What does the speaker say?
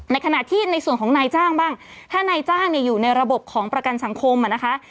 ขณะที่ในส่วนของนายจ้างบ้างถ้านายจ้างเนี่ยอยู่ในระบบของประกันสังคมอ่ะนะคะ